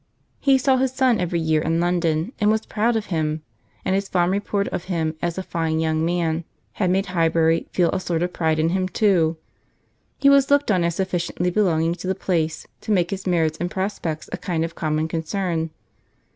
He saw his son every year in London, and was proud of him; and his fond report of him as a very fine young man had made Highbury feel a sort of pride in him too. He was looked on as sufficiently belonging to the place to make his merits and prospects a kind of common concern.